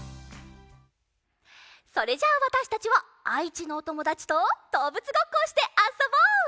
それじゃあわたしたちはあいちのおともだちとどうぶつごっこをしてあそぼう！